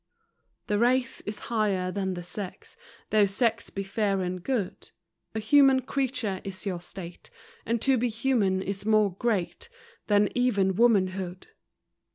The race is higher than the sex, Though sex be fair and good; A Human Creature is your state, And to be human is more great Than even womanhood!